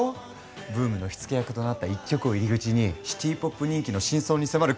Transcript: ブームの火付け役となった一曲を入り口にシティ・ポップ人気の真相に迫る